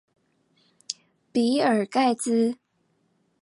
比爾蓋茲